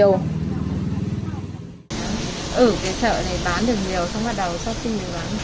ở cái chợ này bán được nhiều xong bắt đầu sao xin được bán